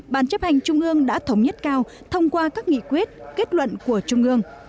ban chấp hành chung ương đã thống nhất cao thông qua các nghị quyết kết luận của chung ương